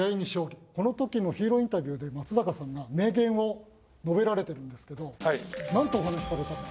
この時のヒーローインタビューで松坂さんが名言を述べられているんですけどなんとお話しされたか。